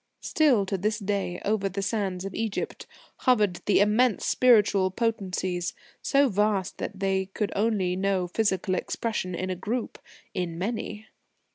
Still to this day, over the sands of Egypt, hovered immense spiritual potencies, so vast that they could only know physical expression in a group in many.